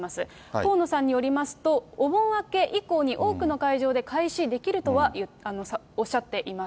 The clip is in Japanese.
河野さんによりますと、お盆明け以降に、多くの会場で開始できるとはおっしゃっています。